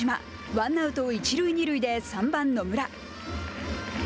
ワンアウト、一塁二塁で３番野村。